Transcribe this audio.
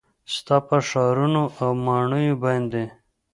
ستا په ښارونو او ماڼیو باندې